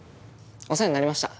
お世話になりました。